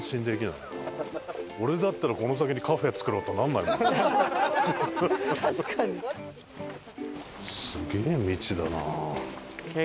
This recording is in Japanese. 俺だったらこの先にカフェ作ろうってなんないもん。